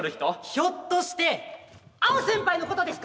ひょっとしてアオ先輩のことですか？